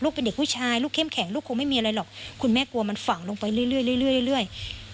ลูกเป็นเด็กผู้ชายลูกเข้มแข็งลูกคงไม่มีอะไรหรอกคุณแม่กลัวมันฝังลงไปเรื่อยเรื่อยเรื่อยเรื่อยเรื่อย